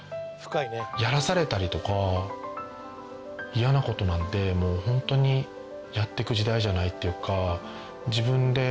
やらされたりとかイヤな事なんてもう本当にやっていく時代じゃないっていうか。